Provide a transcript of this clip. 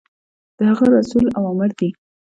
د هغه رسول اوامر دي.